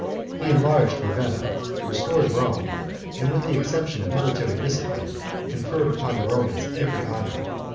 He enlarged Ravenna, restored Rome, and, with the exception of military discipline, conferred upon the Romans every honor.